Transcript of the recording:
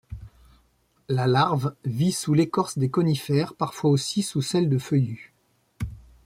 La larve vit sous l'écorce des conifères, parfois aussi sous celle de feuillus.